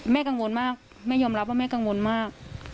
กังวลมากแม่ยอมรับว่าแม่กังวลมาก